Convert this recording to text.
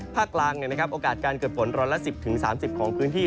ภาคกลางโอกาสการเกิดฝนร้อยละ๑๐๓๐ของพื้นที่